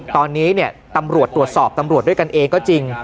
ตอนนี้ตำรวจตรวจสอบตำรวจด้วยกันเองก็จริง